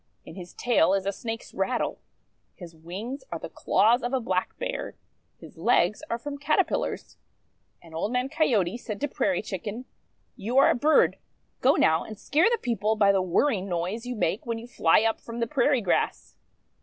In his tail is a Snake's rattle. His wings are the claws of a Black Bear. His legs are from Caterpillars. And Old Man Coyote said to Prairie Chicken: — 'You are a bird. Go, now, and scare the people by the whirring noise you make when you fly up from the prairie grass."